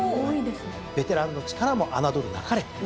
ベテランの力も侮るなかれと。